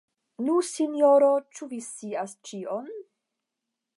Nu, sinjoro, ĉu vi scias ĉion?